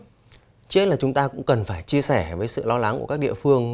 chứ thế là chúng ta cũng cần phải chia sẻ với sự lo lắng của các địa phương